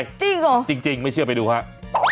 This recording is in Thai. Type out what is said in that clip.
จริงเหรอจริงไม่เชื่อไปดูครับ